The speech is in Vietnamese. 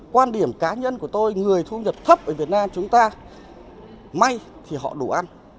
quan điểm cá nhân của tôi người thu nhập thấp ở việt nam chúng ta may thì họ đủ ăn